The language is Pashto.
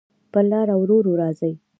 پر لاره ورو، ورو راځې